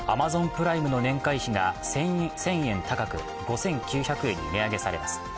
プライムの年会費が１０００円高く５９００円に値上げされます。